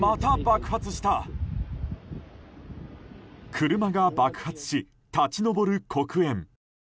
車が爆発し立ち上る黒煙。